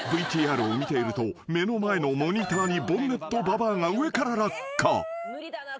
ＶＴＲを見ていると目の前のモニターにボンネットババアが上から落下］